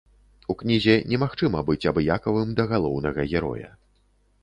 У кнізе немагчыма быць абыякавым да галоўнага героя.